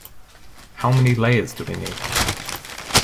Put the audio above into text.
How many layers do we need?